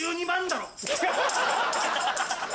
だろ！